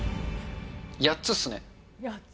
８つっすね。